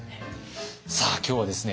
さあ今日はですね